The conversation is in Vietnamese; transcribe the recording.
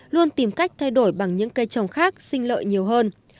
luôn tìm cách thay đổi bằng những cây trồng khác sinh lợi nhiều hơn